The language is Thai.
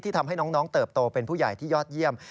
ทำให้น้องเติบโตเป็นผู้ใหญ่ที่ยอดเยี่ยม